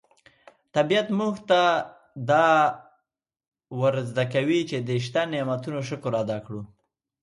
طبیعت موږ ته دا ور زده کوي چې د شته نعمتونو شکر ادا کړو.